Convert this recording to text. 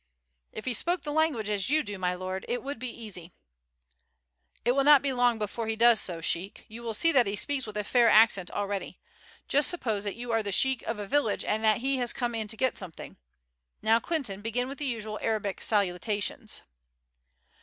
"If he spoke the language as you do, my lord, it would be easy." "It will not be long before he does so, sheik; you will see that he speaks with a fair accent already. Just suppose that you are the sheik of a village and that he has come in to get something. Now, Clinton, begin with the usual Arabic salutations."